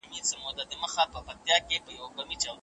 د ده په چاپېریال کې شعر عام نه و.